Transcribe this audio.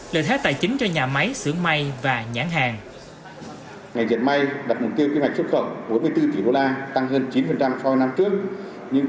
lợi thế tài chính cho nhà máy xưởng may và nhãn hàng